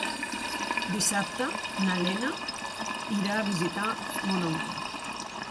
Dissabte na Lena irà a visitar mon oncle.